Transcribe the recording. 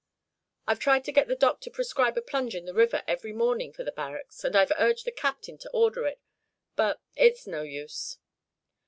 I've tried to get the Doc to prescribe a plunge in the river every morning for the barracks, and I've urged the Captain to order it, but it's no use."